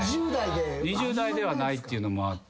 ２０代ではないっていうのもあって。